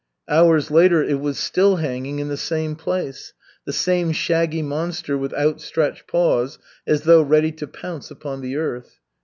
Hours later it was still hanging in the same place, the same shaggy monster with outstretched paws, as though ready to pounce upon the earth.